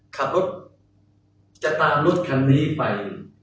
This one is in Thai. ขับรถจะตามรถคันนี้ไป